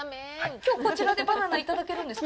きょう、こちらでバナナいただけるんですか？